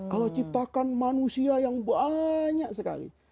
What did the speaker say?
allah ciptakan manusia yang banyak sekali